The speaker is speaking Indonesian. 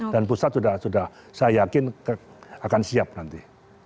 dan pusat sudah saya yakin akan siap nanti